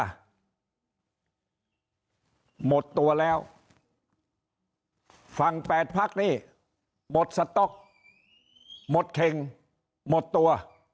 หมดตัวแล้วฝั่งแปดพักนี่หมดสต๊อกหมดเข็งหมดตัว